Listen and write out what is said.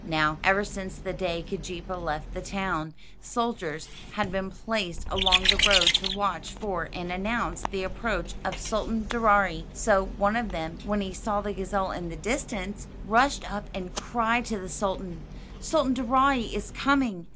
Now, ever since the day Keejeepaa left the town, soldiers had been placed along the road to watch for and announce the approach of Sultan Daaraaee; so one of them, when he saw the gazelle in the distance, rushed up and cried to the sultan, "Sultan Daaraaee is coming!